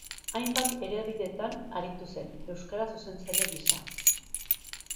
Hainbat hedabidetan aritu zen euskara zuzentzaile gisa.